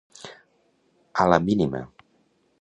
A la mínima.